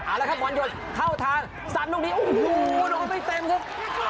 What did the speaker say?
อ่าแล้วครับหวานหยดเข้าทางสับลงดีโอ้โหหนอไปเต็มครับ